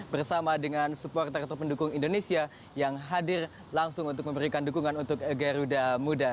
bersama dengan supporter atau pendukung indonesia yang hadir langsung untuk memberikan dukungan untuk garuda muda